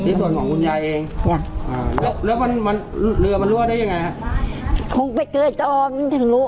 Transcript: เรือมันรวดได้ยังไง